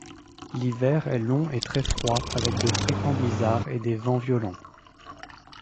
L'hiver est long et très froid avec de fréquents blizzards et des vents violents.